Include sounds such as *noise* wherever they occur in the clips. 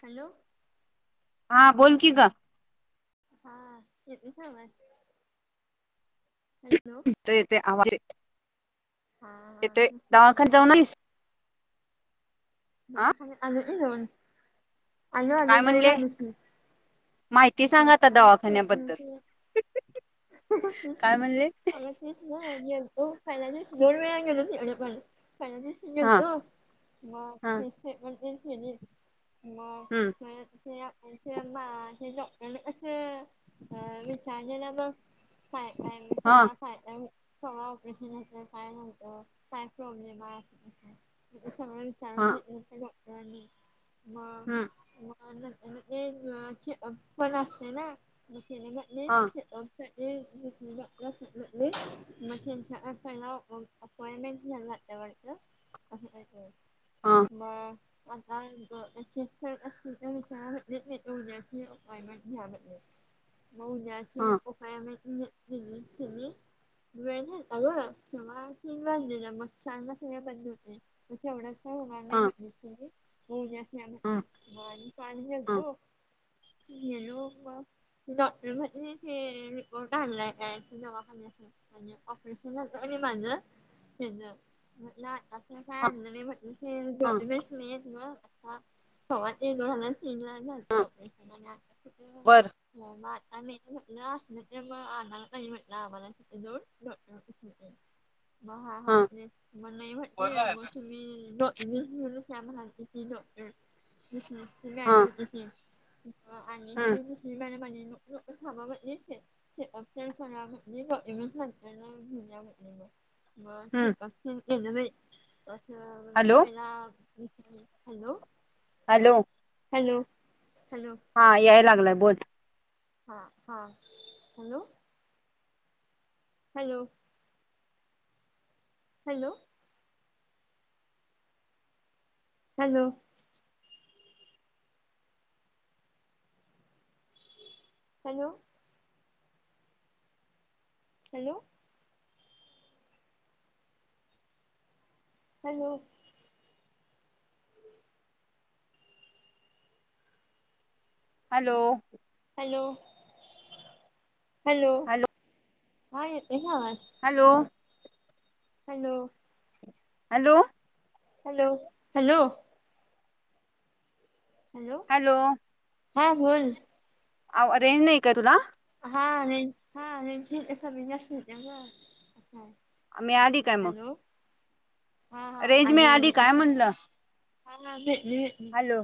Hello हा बोलकी ग हा येतोय का आवाज हॅलो येतय येतय आवाज येतय *unintelligible* *inaudible* हा हा त ना दवाखान्यात जाऊन सांगात आलीस आ दवाखान्यात आली का जाऊन आलो आलो काय म्हणले जाऊन आल की माहिती सांगा आ दवाखान्याबद्दल आग तसं काय नसतं.. *unintelligible* म्हणले *inaudible* प *unintelligible* *inaudible* हिल्या दिवस दोन वेळा गेल तेवढ पण पहिल्या दिवशी हा गेलतो हा म्हण म्ह म्हण मा हम्म *unintelligible* *inaudible* आणि असं अ विचारजला बघ काय काय हा सगळं काय सग ओपिनियन काय नव्हतं काय प्रॉब्लेम आहे असं तसं सगळं हा सांगितलं त्या डॉक्टरांनी हम्म पण असतेनावाची अपॉइमेंट असते ना *unintelligible* *inaudible* ते हा विचारलं डॉक्टरांना मच्याला अपॉइं अपॉइंटमेंट घ्याला लागत वाट असं काही तरी आहे हा बता उद्याची अप्पोइमेंट *unintelligible* *unintelligible* *unintelligible* मग उद्याची हा मअपॉइंटमेंट दिली गेली वेळ नाही अगंव्हा तीन वाजलेलं मग छान प होते मग एवढाच हा म हा हा पाणीतो हेूबा ॉटरध्ये ते रिपोर्ट आणलाय कावाखाऑपरेशन म्हझ काय हा हा तमला भवात ए जोर ह तन हा झातपरेशन आु बर म आणि म्हटलं अस म आला म्हटलं आ्हाला ज बहा ह हा मण म्हटली मोसमी जषण श्यामनाती ती ॉक्टरषण हा गाणी होतीी आणि हम्म शकृष्बाण्याबाणी लोक थाबा बनलेच रा म्ह ग म्ह ग ठी हम्म एन नाही दं हॅलो मफ ना हॅलो! हॅलो! हॅलो? हॅलो हा याय लागलाय बोल. हा हा, hello hello hello hello hello! Hello! Hello! Hello! Hello, hello का ते आवाज hello hello! Hello! Hello, hello! Hello! हा बोल. आ, रेंज नाही काय तुला? हा रे हा रेंज *unintelligible* आम्मि आली काय मग? हॅलो हा हा रेंज आली मिळाली आली काय म्हणलं? हा ना ते हॅलो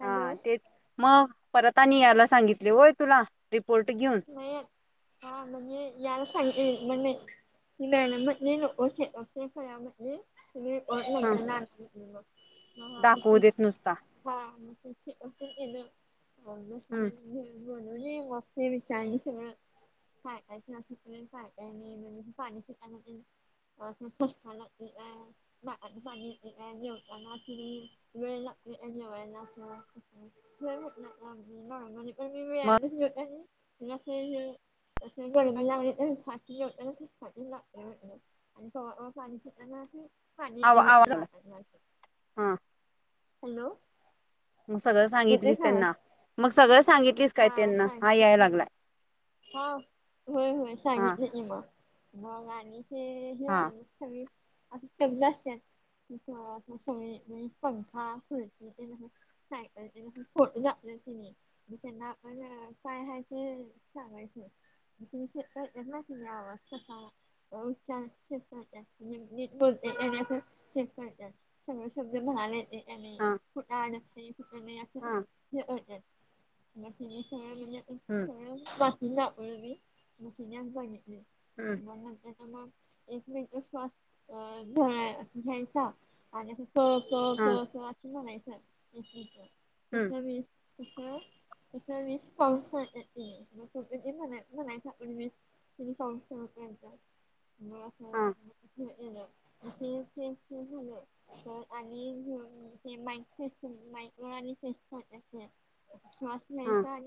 हॅलो हा, तेच मग? परत आणि यायला सांगितले होय तुला? दी नाही, हा म्हणजे यायला सांग ती मॅडम म्हणली नको शिकवते सगळ्यांबर मी ह दाखवू देत नुसता हम् *unintelligible* *unintelligible* बोलावली मग हे विचारली सगळं. काय काय शाळा शिकले काय काय नाय पाणी *unintelligible* *unintelligible* जेवताना ती वेळ लाग *unintelligible* नॉर्मली पण मी मग मिळाल का *unintelligible* तस गडबड लागली तर मी फास्ट जेवते *unintelligible* म्हणलं अन पाणी पिताना अशी पाणी आवा येतंय आवाज म्हणलं आला नाकातून असं, हा हॅलो! मग सगळं येतोय सांगितलीस का आवाज? त्यांना? मग सगळं सांगित हा सांगितलं की, हा होय होय हा सांगितलं मग. मग आणि ते हे अ हा सगळी असं शब्द असतेत *unintelligible* पंखा, खुर्ची, सायकलचे हे फोटो दाव की नाय, तर त्यांना आपण काय हाय ते सांगायच. मग ते चेक करतेत ना तिचा आवाज कसाय. *unintelligible* चेक करतेत नीट बोलते की नाय चेक करतेत, सगळे शब्द बाहेर येते हा कुठं अडकतंय नाही कुठं नाही असं हा हे करतेत् *unintelligible* हम्म वाचून दाखवलं मी *unintelligible* हम्म मग नंतर मग एक मिनटं श्वास घ्या घ्यायचा आणि क क क हा असं म्हणायचं, हम्म तशा वेळेस कसं तसं वीस कॉउंट करतेत त्यानी, मग तोपर्यंत म्हणा म्हणायचं आपण त्यानी कॉउंट कर हा *unintelligible* *unintelligible* *unintelligible* *unintelligible* हा म्हणजं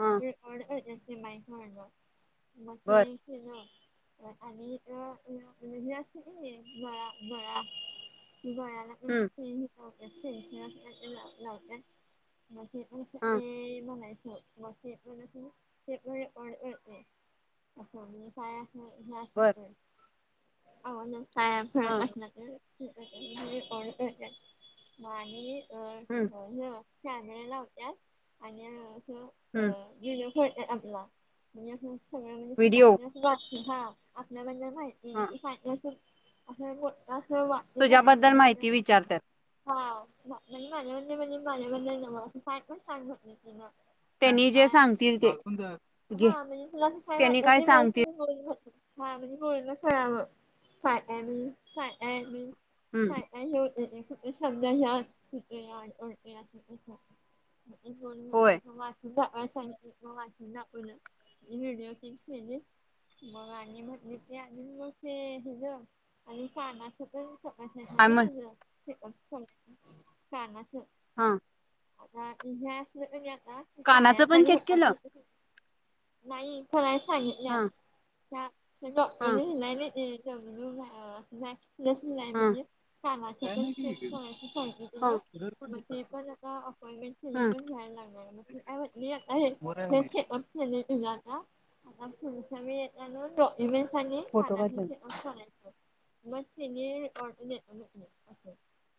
हा ढ अर्जंली मा म्हलं मग बर ते ना आणि अ म्हणजे अस बळा बळा गळ्याला पण हम्म सें लावते सें लावते म्हगे हा ए म्हलाय मग म्हणळ म बर काया हा *unintelligible* *unintelligible* हम्म हम्म *unintelligible* व्हिडिओ *unintelligible* हा *unintelligible* वाक्य तुझ्याबद्दल म्हणायचं नाही तर माहिती विचारतात *unintelligible* म त्यांनी जे काय सांगतील ते घे त्यांनी काय सांगतील *unintelligible* *unintelligible* हम्म *unintelligible* होय *unintelligible* *unintelligible* *unintelligible* काय म्हण *unintelligible* हा, आ, कानाचं पण चेक केलं. नाही कोणा सांगित. हा हा हा *unintelligible* *unintelligible* ह *unintelligible* मग ते पण आता अपॉइंटमेंट ह पण्याला लागणार फोटो काढले *unintelligible* *unintelligible*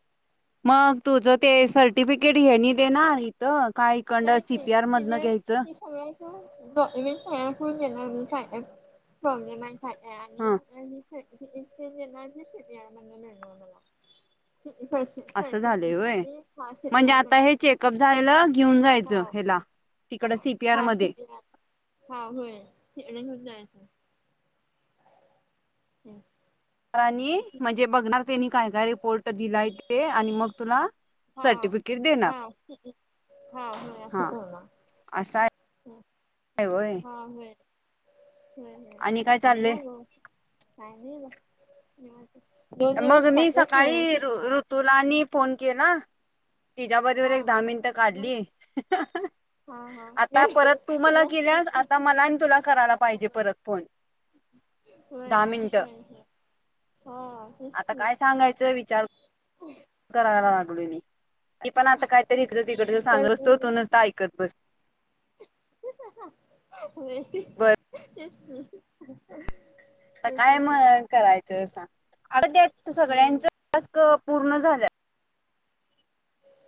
मग तुझं ते असं सर्टिफिकेट हेनी देणार काय कंड नाही नाही सीपी आर मधनं तिने घ्यायचं ती *unintelligible* ह *unintelligible* असं झालं होय परिस्थितीसाठी हा म्हणजे शिकणार म्हण आता हे चेकअप झालं घेऊन जायच हा हला तिकड सीपीआर हा म शिकणार हा होय *unintelligible* हम्, तर आणि म्हणजे बघणार त्यांनी काय काय रिपोर्ट दिलाय ते आणि मग तुला हा सर्टिफिकेट देणार हा हा होय हा असं ना असं आहे व्हय हा होय आणि काय चाललंय *unintelligible* दोन दिवस मग मी सकाळी त्यातच ऋतुलानी फोन केला तिच्याबरोबर एक दहा हा मिनटं काढली हा हा आता परत तू मला गेल्यास आता मला आणि तुला करायला पाहिजे परत फोन होय दहा अस मिनिटं आता काय सांगायचं विचार करायला लागलो मी की पण आता कायतरी इथडें तिकडच तर सांगतो तो ऐकत बस होय तेच बर की आ तेच काय म्हटलं करायचं अस आ होय सगळ्यांच टस्क पूर्ण झा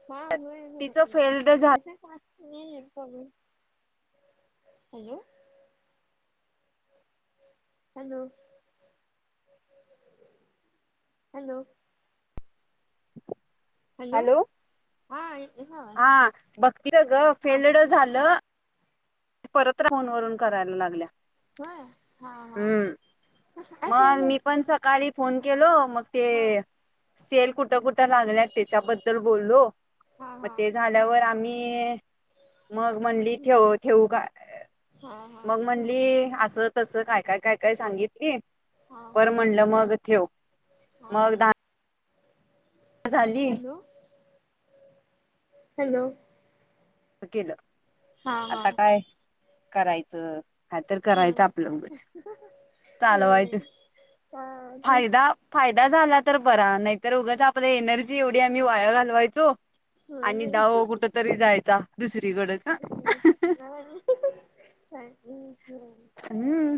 ह होय ज तिचं फेल्ड झालं का नाही हॅलो हॅलो हॅलो हॅलो हा येतोय का आवाज हा बघती ग हा होय फेल्ड झालं परत राहून वरून करायला लागल्या ह हा हम्म. मग हा मी पण सकाळी फोन केलो मग ते सेल कुठ कुठ लागल्या त्याच्याबद्दल बोललो हा हा मग हा ते झाल्यावर आम्ही मग म्हंली ठेव ठेवू का मग म्हणली अस त तसं काय काय काय काय सांगितली हा हा पर हा म्हणलं मग ठेव हा मग द झाली हॅलो हॅलो केलं हा हा आता काय करायचं हा तर होय करायचं आपलगच चाल आहे होय तर हा फायदा फायदा झाला तर बरा नाही तर उगाच आपल्या एनर्जी एवढी आम्ही वाया घालवायचो होय आणि दहा कुठ तरी जायचा दुसरी ह हम्म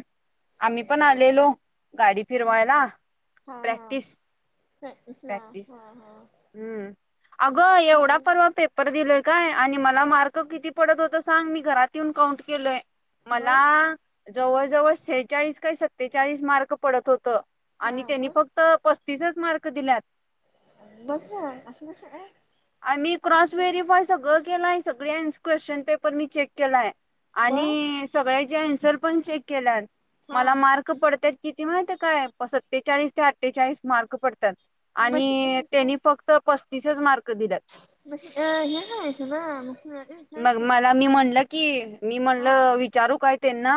आम्ही पण आलेलो गाडी फिरवायला प्रॅक्टिस ह हा हा ह् अगं एवढा परवा पेपर दिलोय काय आणि मला मार्क किती पडत होत सांग मी घरात येऊन काउंट केलोय मला मग जवळ जवळ सेहेचाळीस काही सत्तेचाळीस मार्क पडत होत हा आणि त्यांनी मग फक्त तिसच मार्क दिल्यात अस अस आणि मी क्रॉस व्हेरीिफाय सगळं केलंय सगळे क्वेश्चन पेपर मी चेक केलाय मग आणि सगळ्याचे अन्सर पण चेक केल्या हा मला मार्क पडत किती माहित काय सत्तेचाळीस ते अठ्ठेचाळीस मार्क पडतात हे आणि त्यानी फक्त पस्तीसच मार्क दिल्यात अह हि खस ना मग विचारायचं मला मी म्हणलं की मी म्हणल हा विचारू काय त्यांना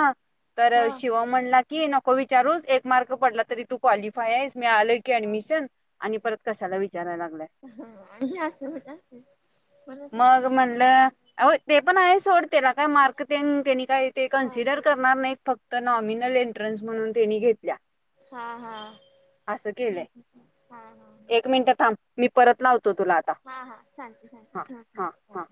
तर हा शिव म्हणला की नको विचारू एक मार्क पडला तरी तू क्वालिफाय आहेस मी आलय की हा ऍडमिशन आणि परत कशाला विचारायला लागल्यास आणि असं होत असते कोणाचं मग म्हणटलं ते पण आहे सोडला काय मार्क काय हा कन्सिडर एवढं करणार नाहीत फक्त नॉमल एंट म्हणून घेत हा हा असं हा केलंय हा एक मिनिट थांब मी परत लावतो तुला आता हा हा चालते हा हा चालते हा